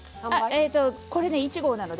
これで１合なので。